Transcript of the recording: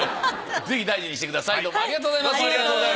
ぜひ大事にしてください。